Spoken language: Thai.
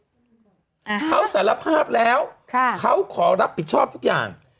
อ่าเขาสารภาพแล้วค่ะเขาขอรับผิดชอบทุกอย่าง